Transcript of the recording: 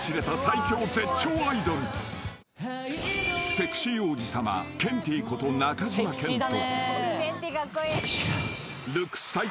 ［セクシー王子さまケンティーこと中島健人］